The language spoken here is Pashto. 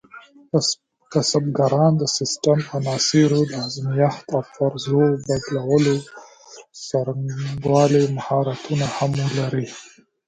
کسبګران د سیسټم عناصرو د ازمېښت او پرزو بدلولو څرنګوالي مهارتونه هم ولري.